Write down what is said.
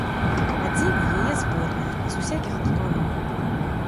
Адзенне яе зборнае, з усякіх лахманоў.